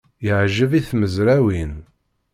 Yeɛjeb i tmezrawin.